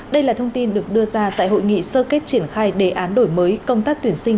đây là thông tin được đưa ra tại hội nghị sơ kết triển khai đề án đổi mới công tác tuyển sinh